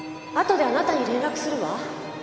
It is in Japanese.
あとであなたに連絡するわ。